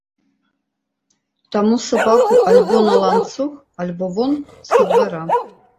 Таму сабаку альбо на ланцуг, альбо вон са двара.